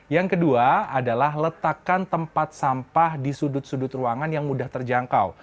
yang kedua adalah letakkan tempat sampah di sudut sudut ruangan yang mudah terjangkau